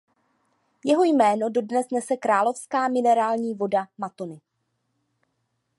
Jeho jméno dodnes nese karlovarská minerální voda Mattoni.